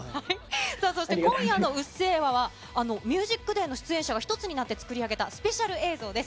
そして今夜のうっせぇわは、ＴＨＥＭＵＳＩＣＤＡＹの出演者が一つになって作り上げたスペシャル映像です。